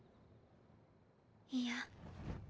いや。